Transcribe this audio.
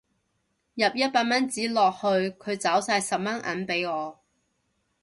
入一百蚊紙落去佢找晒十蚊銀俾我